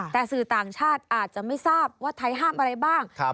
แต่สื่อต่างชาติอาจจะไม่ทราบว่าไทยห้ามอะไรบ้าง